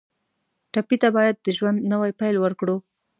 ټپي ته باید د ژوند نوی پیل ورکړو.